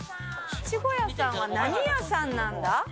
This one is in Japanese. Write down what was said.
ゑちごやさんは何屋さんなんだ？